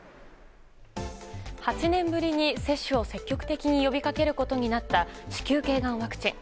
８年ぶりに接種を積極的に呼びかけることになった子宮頸がんワクチン。